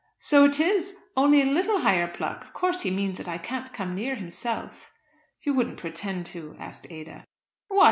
"So it is; only a little higher pluck! Of course he means that I can't come near himself." "You wouldn't pretend to?" asked Ada. "What!